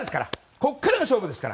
ここからが勝負ですから！